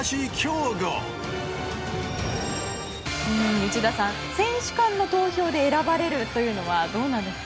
内田さん、選手間の投票で選ばれるというのはどうなんですか？